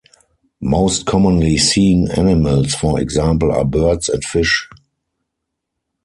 Most commonly seen animals for example are birds and fish.